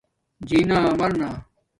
جینہ مرنا